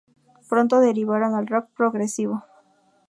Pronto derivaron al rock progresivo.